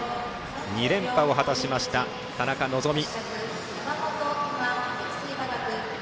２連覇を果たしました田中希実。